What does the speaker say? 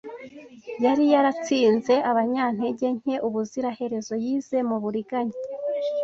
Yari yaratsinze abanyantege nke ubuziraherezo. Yize muburiganya